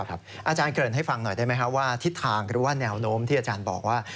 อาจารย์เกริ่นให้ฟังหน่อยได้ไหมครับว่าทิศทางหรือว่าแนวโน้มที่อาจารย์บอกว่า